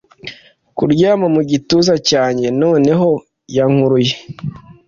Kuryama mu gituza cyanjye noneho yankuruye